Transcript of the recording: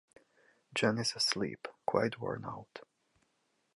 Jenny's asleep, quite worn out.